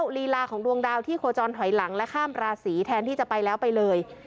ลีลาของดวงดาวที่โคจรถอยหลังและข้ามราศีแทนที่จะไปแล้วไปเลย